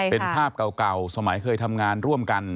เป็นภาพเก่าสมัยเคยทำงานร่วมกัน